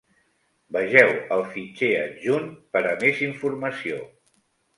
Vegeu el fitxer adjunt per a més informació.